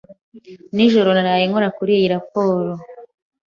Nijoro naraye nkora kuri iyi raporo.